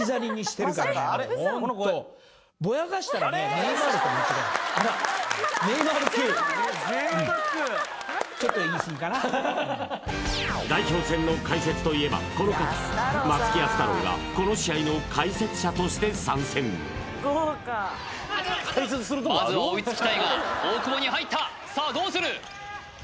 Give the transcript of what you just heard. ネイマールと間違えるあら代表戦の解説といえばこの方松木安太郎がこの試合の解説者として参戦まずは追いつきたいが大久保に入ったさあどうする？